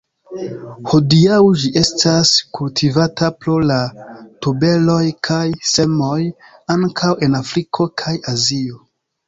Hodiaŭ ĝi estas kultivata pro la tuberoj kaj semoj, ankaŭ en Afriko kaj Azio.